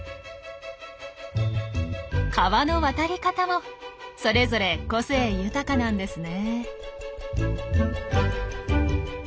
川の渡り方もそれぞれ個性豊かなんですね。